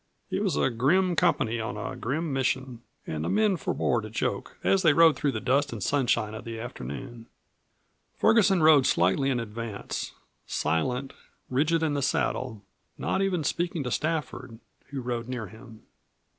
It was a grim company on a grim mission, and the men forbore to joke as they rode through the dust and sunshine of the afternoon. Ferguson rode slightly in advance, silent, rigid in the saddle, not even speaking to Stafford, who rode near him.